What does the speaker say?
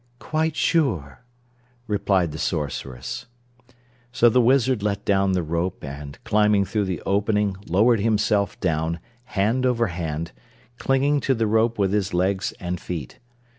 "Quite sure," replied the Sorceress. So the Wizard let down the rope and climbing through the opening lowered himself down, hand over hand, clinging to the rope with his legs and feet.